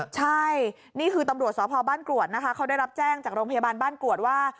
ใช่นี่คือตำรวจสพบ้านกรวดนะคะเขาได้รับแจ้งจากโรงพยาบาลบ้านกรวดว่า